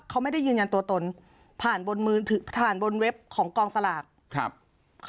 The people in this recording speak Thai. เขาไม่ได้ยืนยันตัวตนผ่านบนเว็บของกองสลาก